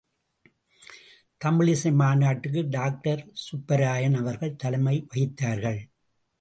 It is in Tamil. தமிழிசை மாநாட்டிற்கு டாக்டர் சுப்பராயன் அவர்கள் தலைமை வகித்தார்கள்.